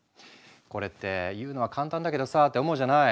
これって言うのは簡単だけどさって思うじゃない？